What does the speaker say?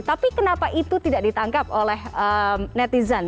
tapi kenapa itu tidak ditangkap oleh netizen